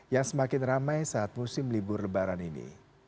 yang semakin ramai saat musim libur lebaran ini